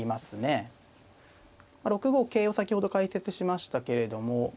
６五桂を先ほど解説しましたけれども。